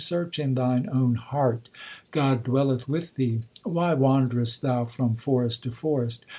search in thine own heart. God dwelleth with thee ; why wanderest thou from forest to forest